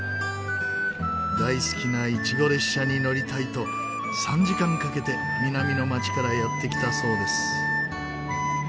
大好きなイチゴ列車に乗りたいと３時間かけて南の街からやって来たそうです。